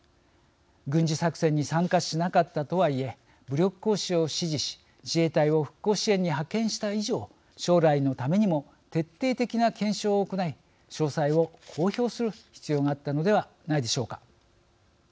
軍事作戦に参加しなかったとはいえ武力行使を支持し自衛隊を復興支援に派遣した以上将来のためにも徹底的な検証を行い詳細を公表する必要があったのではないでしょうか。